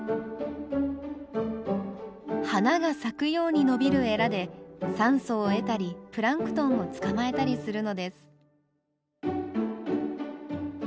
花が咲くように伸びるエラで酸素を得たりプランクトンを捕まえたりするのです。